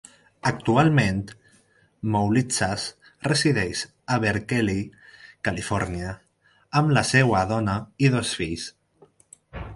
Actualment Moulitsas resideix a Berkeley, Califòrnia, amb la seva dona i dos fills.